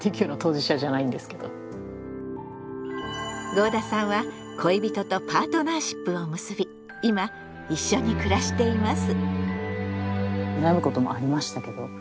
合田さんは恋人とパートナーシップを結び今一緒に暮らしています。